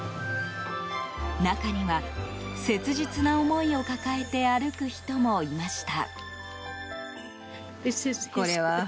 中には、切実な思いを抱えて歩く人もいました。